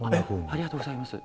ありがとうございます。